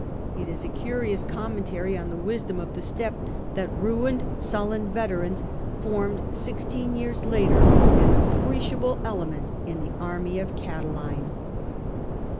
It is a curious commentary on the wisdom of the step, that ruined Sullan veterans formed, sixteen years later, an appreciable element in the army of Catiline.